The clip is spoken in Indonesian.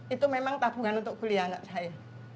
itu memang tabungan untuk kuliah anak saya